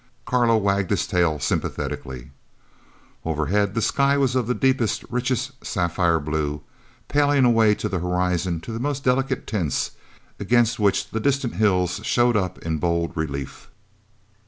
Carlo wagged his tail sympathetically. Overhead the sky was of the deepest, richest sapphire blue, paling away to the horizon to the most delicate tints, against which the distant hills showed up in bold relief.